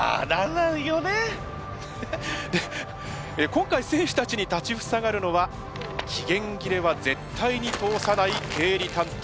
今回選手たちに立ち塞がるのは期限切れは絶対に通さない経理担当。